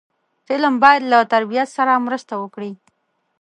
فلم باید له تربیت سره مرسته وکړي